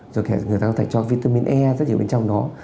rồi người ta có thể cho vitamin e rất nhiều bên trong đó